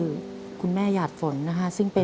ทำงานชื่อนางหยาดฝนภูมิสุขอายุ๕๔ปี